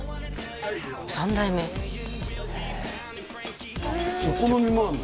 ３代目お好みもあんの？